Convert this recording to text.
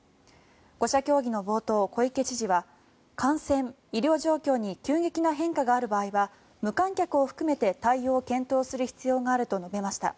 ５者協議の冒頭、小池知事は感染・医療状況に急激な変化がある場合は無観客を含めて対応を検討する必要があると述べました。